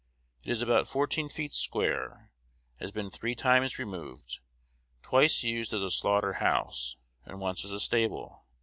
It is about fourteen feet square, has been three times removed, twice used as a slaughter house, and once as a stable.